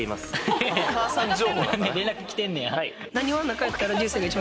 連絡来てんねや。